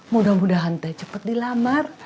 mudah mudahan teh cepat dilamar